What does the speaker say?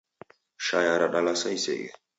Shaya radalasa iseghe